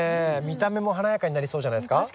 見た目も華やかになりそうじゃないですか。